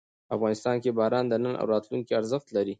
افغانستان کې باران د نن او راتلونکي ارزښت لري.